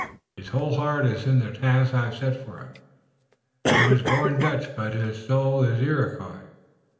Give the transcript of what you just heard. His whole heart iss in the task I have set him. He wass born Dutch but hiss soul iss Iroquois!